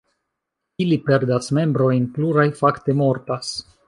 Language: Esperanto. Ili perdas membrojn, pluraj fakte mortas.